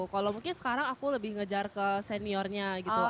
kalau mungkin sekarang aku lebih ngejar ke seniornya gitu